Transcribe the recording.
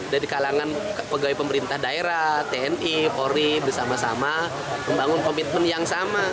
dari kalangan pegawai pemerintah daerah tni polri bersama sama membangun komitmen yang sama